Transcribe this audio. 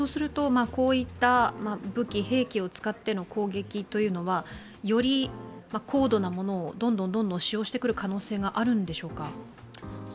そうすると、こういった武器兵器を使っての攻撃というのはより高度なものをどんどん使用してくる可能性はあるんでしょうか？